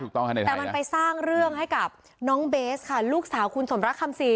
แต่มันไปสร้างเรื่องให้กับน้องเบสค่ะลูกสาวคุณสมรักคำศรี